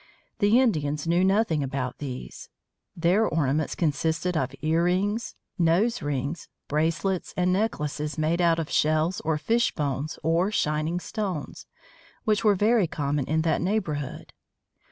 The Indians knew nothing about these. Their ornaments consisted of ear rings, nose rings, bracelets, and necklaces made out of shells or fish bones or shining stones, which were very common in that neighborhood.